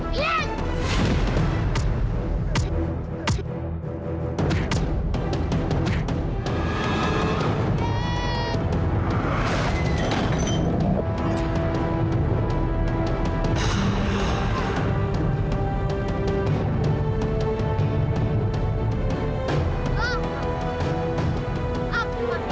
sejak saat mereka tidak melakukannya